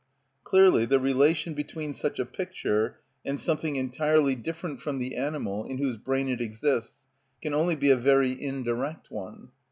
Clearly the relation between such a picture and something entirely different from the animal in whose brain it exists can only be a very indirect one.